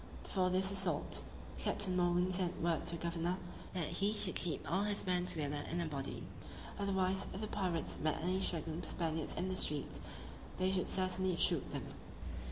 Before this assault, Captain Morgan sent word to the governor, that he should keep all his men together in a body; otherwise, if the pirates met any straggling Spaniards in the streets, they should certainly shoot them.